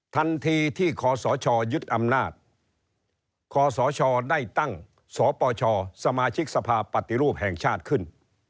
ทันทีที่ขอสชยึดอำนาจคศได้ตั้งสปชสมาชิกสภาพปฏิรูปแห่งชาติขึ้น